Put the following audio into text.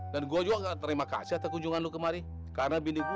dan gua juga terima kasih atau kunjungan lu kemari karena bini gua